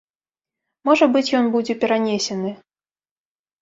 Можа быць, ён будзе перанесены.